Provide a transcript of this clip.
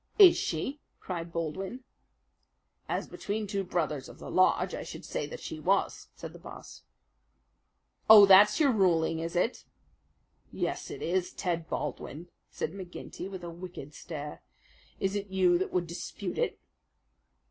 "Is she?" cried Baldwin. "As between two brothers of the lodge I should say that she was," said the Boss. "Oh, that's your ruling, is it?" "Yes, it is, Ted Baldwin," said McGinty, with a wicked stare. "Is it you that would dispute it?"